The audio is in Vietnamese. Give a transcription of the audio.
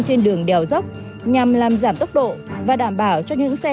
trên đường đèo dốc nhằm làm giảm tốc độ và đảm bảo cho những xe